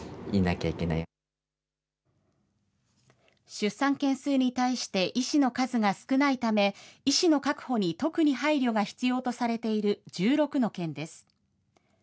出産件数に対して医師の数が少ないため、医師の確保に特に配慮が必要とされている１６の県です。